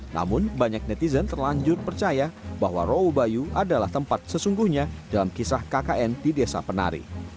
namun banyak netizen terlanjur percaya bahwa rowo bayu adalah tempat sesungguhnya dalam kisah kkn di desa penari